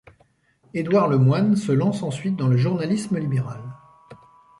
Édouard Lemoine se lance ensuite dans le journalisme libéral.